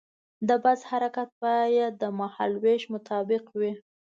د بس حرکت باید د مهال ویش مطابق وي.